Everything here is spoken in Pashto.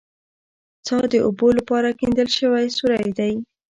څا د اوبو لپاره کیندل شوی سوری دی